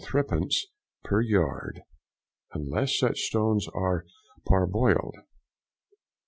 per yard, unless such stones are parboild!